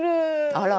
あら。